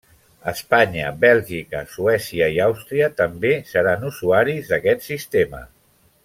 Espanya, Bèlgica, Suècia i Àustria també seran usuaris d'aquest sistema.